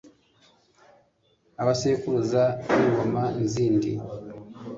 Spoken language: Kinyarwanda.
abasekuruza b'ingoma zindi